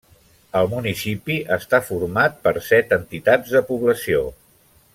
El municipi està format per set entitats de població.